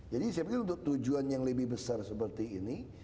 jadi saya pikir untuk tujuan yang lebih besar seperti ini